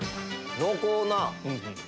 濃厚な。